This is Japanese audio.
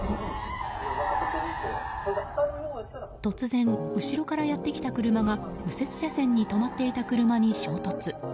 突然、後ろからやってきた車が右折車線に止まっていた車に衝突。